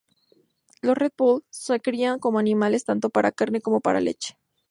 Los Red Poll se crían como animales tanto para carne como para leche.